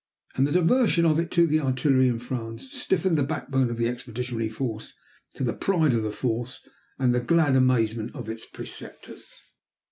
And the diversion of it to the artillery in France stiffened the backbone of the Expeditionary Force to the pride of the force and the glad amazement of its preceptors.